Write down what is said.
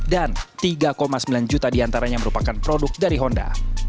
dan tiga sembilan juta di antaranya merupakan produk dari honda